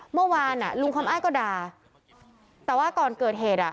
เมื่อวานอ่ะลุงคำอ้ายก็ด่าแต่ว่าก่อนเกิดเหตุอ่ะ